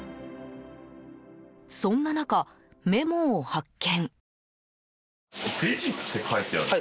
そんな中、メモを発見。